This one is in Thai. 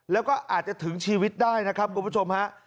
แล้วก็อาจจะถึงชีวิตได้นะครับคุณผู้ชมฮะ